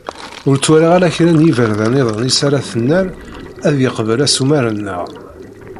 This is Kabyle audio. Ur ttwaliɣ ara kra n yiberdan-iḍen iss ara t-nerr ad yeqbel asumer-nneɣ.